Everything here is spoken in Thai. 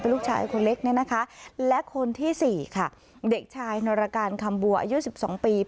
ลูกชายคนเล็กเนี่ยนะคะและคนที่สี่ค่ะเด็กชายนรการคำบัวอายุ๑๒ปี